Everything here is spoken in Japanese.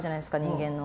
人間の。